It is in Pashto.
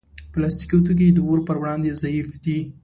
پلاستيکي توکي د اور پر وړاندې ضعیف دي.